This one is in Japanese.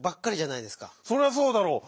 そりゃそうだろう！